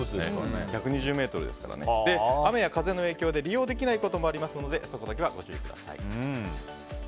雨や風の影響で利用できないこともありますのでそこはご注意ください。